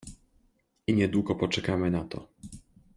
I niedługo poczekamy na to.